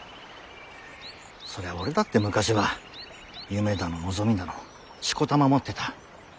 そりゃ俺だって昔は夢だの望みだのしこたま持ってた。